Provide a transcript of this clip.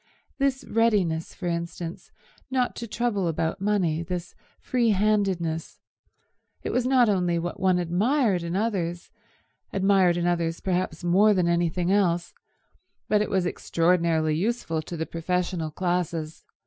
This readiness, for instance, not to trouble about money, this free handedness—it was not only what one admired in others, admired in others perhaps more than anything else, but it was extraordinarily useful to the professional classes.